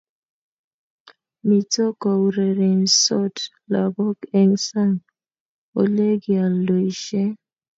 Mito kourerensot lagook eng sang olegialdoishen